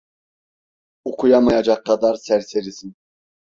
Okuyamayacak kadar serserisin…